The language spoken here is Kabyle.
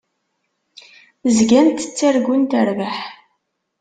Zgant ttargunt rrbeḥ.